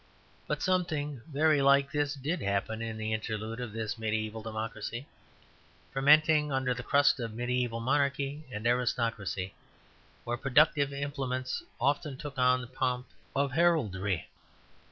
But something very like this did happen in the interlude of this mediæval democracy, fermenting under the crust of mediæval monarchy and aristocracy; where productive implements often took on the pomp of heraldry.